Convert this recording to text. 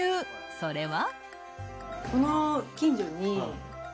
それは。